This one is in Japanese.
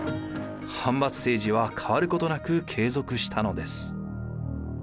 藩閥政治は変わることなく継続したのです。